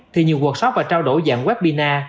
thì nhiều workshop và trao đổi dạng webinar